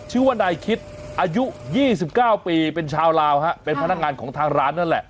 ชื่อว่านายคิดอายุ๒๙ปีเป็นชาวลาวฮะเป็นพนักงานของทางร้านนั่นแหละ